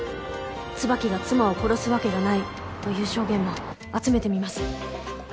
「椿が妻を殺すわけがない」という証言も集めてみます。